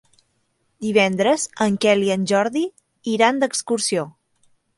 Divendres en Quel i en Jordi iran d'excursió.